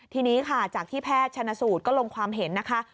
ทีนี้ค่ะจากที่แพทย์ชนสูตรก็ลงความเห็นนะคะ